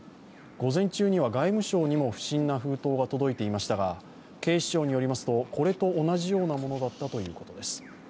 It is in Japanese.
午前中には外務省にも不審な封筒が届いていましたが警視庁によりますと、これと同じようなものだったということです。